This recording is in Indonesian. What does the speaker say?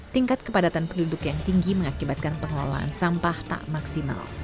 tingkat kepadatan penduduk yang tinggi mengakibatkan pengelolaan sampah tak maksimal